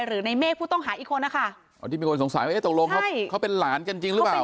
หรือในเมฆผู้ต้องหาอีกคนนะคะอ๋อที่มีคนสงสัยว่าเอ๊ะตกลงเขาเขาเป็นหลานกันจริงหรือเปล่า